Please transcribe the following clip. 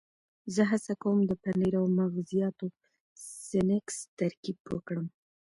زه هڅه کوم د پنیر او مغزیاتو سنکس ترکیب وکړم.